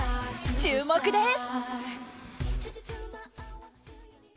注目です。